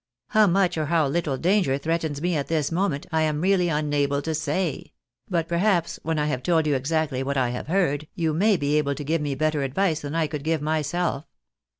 How much or how little danger threatens me at this moment, I am really imable to say ; but perhaps when I have told you exactly what I have heard, you may be able to give me better advice than I could give myself.